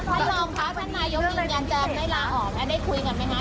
ท่านหล่อมค่ะท่านนายยกยืนยันเจอได้ล้างออกแล้วได้คุยกันไหมคะ